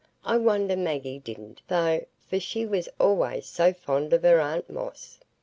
I wonder Maggie didn't, though, for she was allays so fond of her aunt Moss."